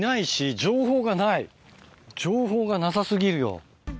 情報がなさ過ぎるよ。